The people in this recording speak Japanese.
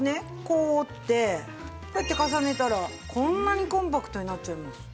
こう折ってこうやって重ねたらこんなにコンパクトになっちゃいます。